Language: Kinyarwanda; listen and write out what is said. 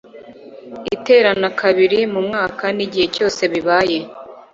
iterana kabiri mu mwaka n igihe cyose bibaye